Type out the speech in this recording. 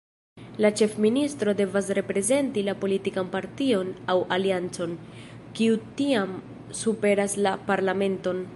La ĉefministro devas reprezenti la politikan partion aŭ aliancon, kiu tiam superas la Parlamenton.